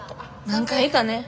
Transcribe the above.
何回かね。